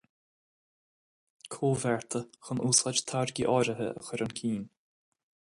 comhbhearta chun úsáid táirgí áirithe a chur chun cinn